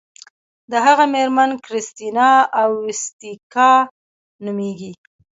د هغه میرمن کریستینا اویتیسیکا نومیږي.